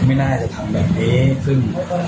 ไม่น่าจะทำแบบนี้ขึ้น